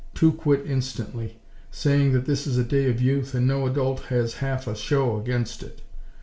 Two quit instantly, saying that this is a day of Youth and no adult has half a show against it!